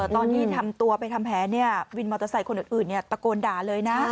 ตอนที่ทำตัวไปทำแผนวินมอเตอร์ไซค์คนอื่นตะโกนด่าเลยนะ